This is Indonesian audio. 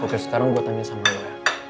oke sekarang gue tanya sama lo ya